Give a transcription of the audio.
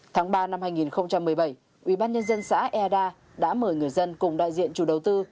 tháng ba năm hai nghìn một mươi bảy ubnd xã eada đã mời người dân cùng đại diện chủ đầu tư